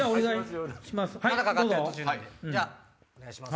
じゃあお願いします。